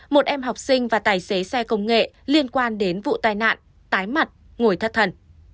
một em học sinh và tài xế xe công nghệ liên quan đến vụ tai nạn tái mặt ngồi thất thần